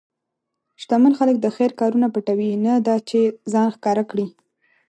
شتمن خلک د خیر کارونه پټوي، نه دا چې ځان ښکاره کړي.